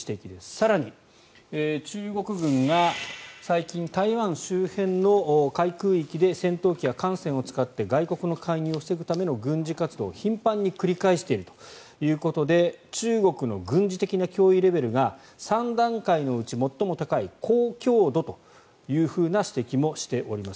更に、中国軍が最近、台湾周辺の海空域で戦闘機や艦船を使って外国の介入を防ぐための軍事活動を頻繁に繰り返しているということで中国の軍事的な脅威レベルが３段階のうち最も高い高強度というふうな指摘もしております。